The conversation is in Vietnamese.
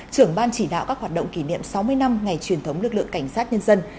trưởng ban chỉ đạo các hoạt động kỷ niệm sáu mươi năm ngày truyền thống lực lượng cảnh sát nhân dân